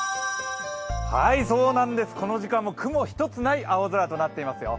そうなんです、この時間も雲一つない青空となっていますよ。